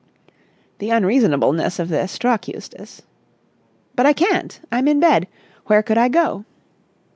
The unreasonableness of this struck Eustace. "But I can't. I'm in bed. Where could I go?"